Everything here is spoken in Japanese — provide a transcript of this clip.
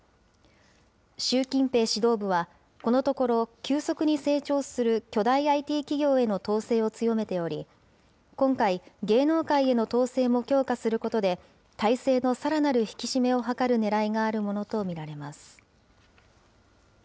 習近平指導部は、このところ、急速に成長する巨大ＩＴ企業への統制を強めており、今回、芸能界への統制も強化することで、体制のさらなる引き締めを図るねらいがあるものと見られます。